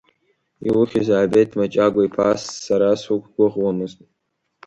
Иухьи, Заабеҭ Мачагәа-иԥа, ас сара суқәгәыӷуамызт.